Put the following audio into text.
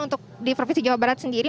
untuk di provinsi jawa barat sendiri